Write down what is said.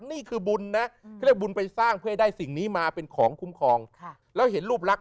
นี่คือบุญนะเขาเรียกบุญไปสร้างเพื่อให้ได้สิ่งนี้มาเป็นของคุ้มครองแล้วเห็นรูปลักษ